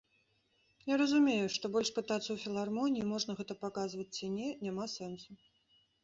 Я разумею, што больш пытацца ў філармоніі, можна гэта паказваць ці не, няма сэнсу.